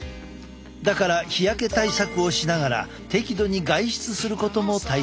だから日焼け対策をしながら適度に外出することも大切だ。